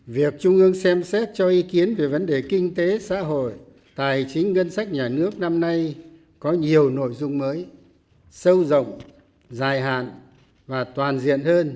việc trung ương xem xét cho ý kiến về vấn đề kinh tế xã hội tài chính ngân sách nhà nước năm nay có nhiều nội dung mới